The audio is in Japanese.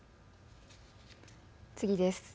次です。